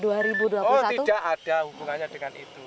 oh tidak ada hubungannya dengan itu